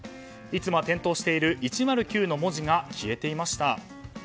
いつもは点灯している１０９の文字が消えていました。